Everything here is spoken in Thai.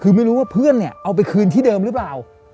คือไม่รู้ว่าเพื่อนเนี่ยเอาไปคืนที่เดิมหรือเปล่า